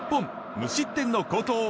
無失点の好投。